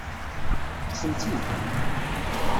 Tekksem-tt-id?